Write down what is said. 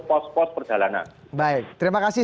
pos pos perjalanan baik terima kasih